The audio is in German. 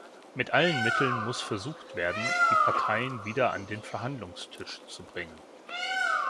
Mit allen Mitteln muss versucht werden, die Parteien wieder an den Verhandlungstisch zu bringen.